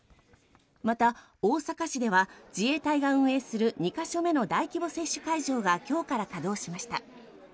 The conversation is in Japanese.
また、大阪市では自衛隊が運営する２か所目の大規模接種会場が今日から稼働しました。